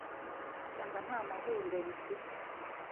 nsanga nta mahuriro bifite